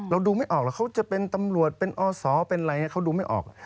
เราดูไม่ออกว่าเขาจะเป็นตำรวจเป็นอ้อสอเป็นอะไรเนี่ยเขาดูไม่ออก